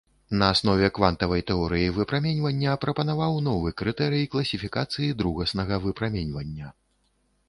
На аснове квантавай тэорыі выпраменьвання прапанаваў новы крытэрый класіфікацыі другаснага выпраменьвання.